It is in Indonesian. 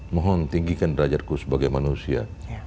mohon tinggikan derajatku sebagai manusia